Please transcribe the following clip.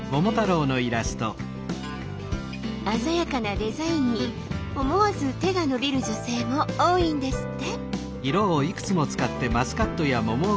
鮮やかなデザインに思わず手が伸びる女性も多いんですって！